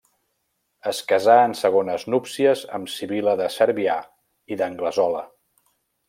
Es casà en segones núpcies amb Sibil·la de Cervià i d'Anglesola.